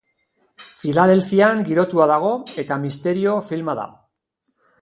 Filadelfian girotua dago eta misterio filma da.